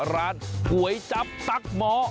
ร้านกวยจับตั๊กหมอ